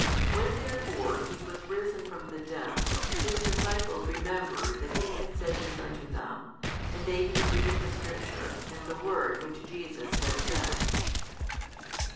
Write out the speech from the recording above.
When therefore He was risen from the dead, His disciples remembered that He had said this unto them: and they believed the Scripture, and the word which Jesus had said.